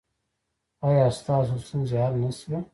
ایا ستاسو ستونزې حل نه شوې؟